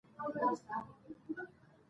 د میوو موسم باید په ښه توګه ولمانځل شي.